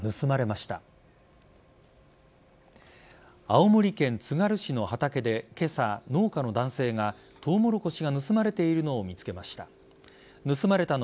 青森県つがる市の畑で今朝農家の男性がトウモロコシが盗まれているのを見つけました。